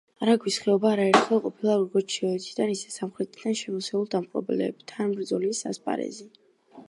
არაგვის ხეობა არაერთხელ ყოფილა როგორც ჩრდილოეთიდან, ისე სამხრეთიდან შემოსეულ დამპყრობლებთან ბრძოლის ასპარეზი.